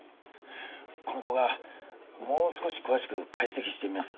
この動画もう少し詳しく解析してみます。